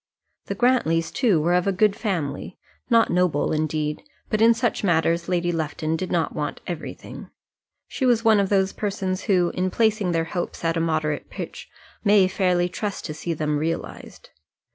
The Grantlys, too, were of a good family, not noble, indeed; but in such matters Lady Lufton did not want everything. She was one of those persons who, in placing their hopes at a moderate pitch, may fairly trust to see them realized.